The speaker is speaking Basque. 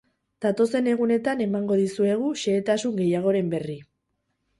Datozen egunetan emango dizuegu xehetasun gehiagoren berri.